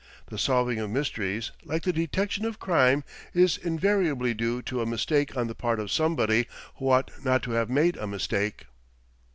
The solving of mysteries, like the detection of crime, is invariably due to a mistake on the part of somebody who ought not to have made a mistake."